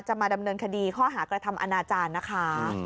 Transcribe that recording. จะมาดำเนินคดีข้อหากฎธรรมอาณาจารย์นะคะ